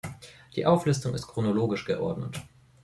Die Auflistung ist chronologisch geordnet.